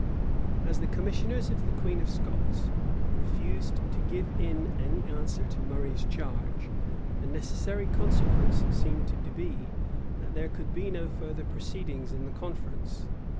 [] As the commissioners of the queen of Scots refused to give in any answer to Murray's charge, the necessary consequence seemed to be, that there could be no further proceedings in the conference.